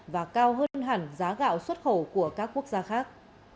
và cao hơn hẳn giá gạo xuất khẩu của các quốc gia khác